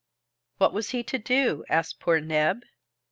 What was he to do? asked poor Neb.